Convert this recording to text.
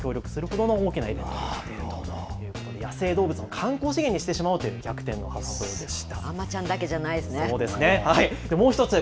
地元の動物園も協力するほどの大きなイベントということで、野生動物を観光資源にしてしまおうという逆転の発想でした。